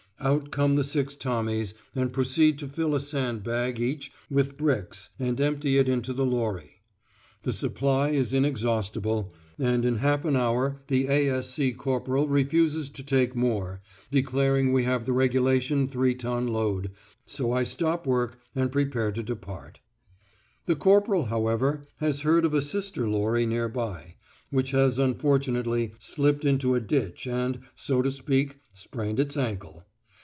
Out come the six Tommies and proceed to fill a sand bag each with bricks and empty it into the lorry. The supply is inexhaustible, and in half an hour the A.S.C. corporal refuses to take more, declaring we have the regulation three ton load, so I stop work and prepare to depart. The corporal, however, has heard of a sister lorry near by, which has unfortunately slipped into a ditch and, so to speak, sprained its ankle.